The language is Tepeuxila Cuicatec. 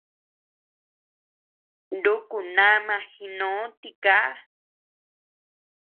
Nuku nama jinó tiká.